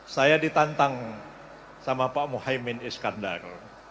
saya ditantang sama pak muhaymin iskandar